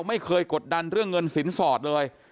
กดดันเรื่องเงินสินสอดเลย